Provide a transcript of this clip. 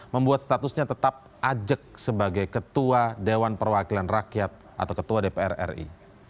membuat statusnya tetap ajak sebagai ketua dewan perwakilan rakyat atau ketua dpr ri